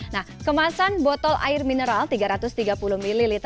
nah kemasan botol air mineral tiga ratus tiga puluh ml